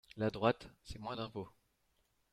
La droite, c’est moins d’impôts.